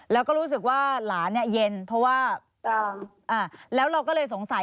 แล้วก็รู้สึกว่าหลานเนี่ยเย็นเพราะว่าแล้วเราก็เลยสงสัย